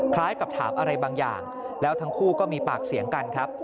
คล้ายกับถามอะไรบางอย่างแล้วทั้งคู่ก็มีปากเสียงกันครับ